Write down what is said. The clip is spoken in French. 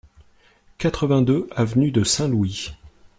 quatre-vingt-deux avenue de Saint-Louis